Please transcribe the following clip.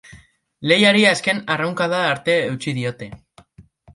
Lehiari azken arraunkada arte eutsi diote.